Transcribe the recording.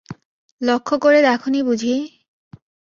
লক্ষ্য করে দেখ নি বুঝি?